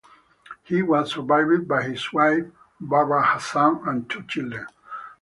He was survived by his wife Barbara Hasan and two children.